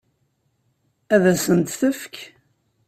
Ad asent-t-yefk?